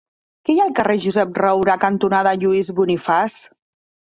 Què hi ha al carrer Josep Roura cantonada Lluís Bonifaç?